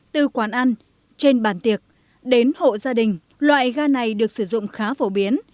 từ quán ăn trên bàn tiệc đến hộ gia đình loại ga này được sử dụng khá phổ biến